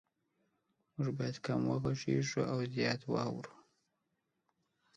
مونږ باید کم وغږیږو او زیات واورو